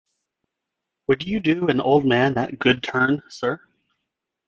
Would you do an old man that good turn, sir?